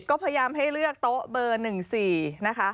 ก็พยายามให้เลือกโต๊ะเบอร์๑๔นะคะ